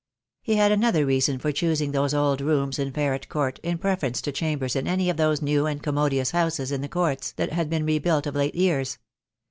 He had another reason for choosing those old rooms in Ferret Court in preference to chambers in any of those new and commodious houses in the courts that had been rebuilt of late years.